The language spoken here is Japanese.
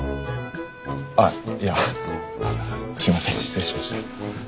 ああいやすいません失礼しました。